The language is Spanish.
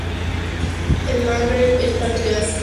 El Magreb es parte de África noroccidental.